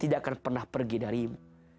tidak akan pernah pergi darimu